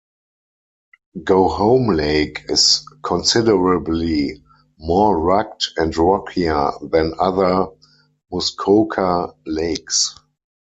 Go Home Lake is considerably more rugged and rockier than other Muskoka lakes.